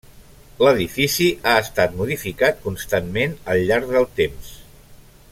L'edifici ha estat modificat constantment al llarg del temps.